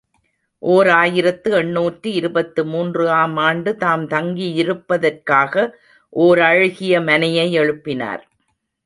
ஓர் ஆயிரத்து எண்ணூற்று இருபத்து மூன்று ஆம் ஆண்டு தாம் தங்கியிருப்பதற்காக ஓரழகிய மனையை எழுப்பினார்.